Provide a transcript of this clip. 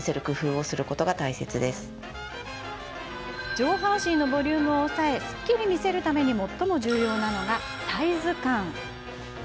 上半身のボリュームを抑えすっきり見せるために最も重要なのが、サイズ感。